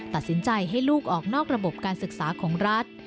ตัดสินใจให้ลูกออกนอกระบบการศึกษาของรัฐ